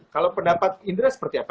kalau pendapat indra seperti apa